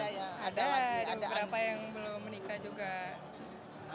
ada ya ada lagi ada beberapa yang belum menikah juga